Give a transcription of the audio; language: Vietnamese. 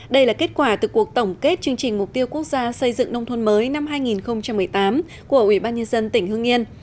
đây là kết quả từ cuộc tổng kết chương trình mục tiêu quốc gia xây dựng nông thôn mới năm hai nghìn một mươi tám của ủy ban nhân dân tỉnh hương yên